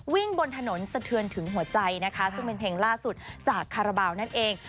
บนถนนสะเทือนถึงหัวใจนะคะซึ่งเป็นเพลงล่าสุดจากคาราบาลนั่นเอง